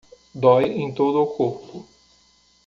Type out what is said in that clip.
Dói em todo o corpo